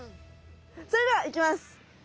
それではいきます。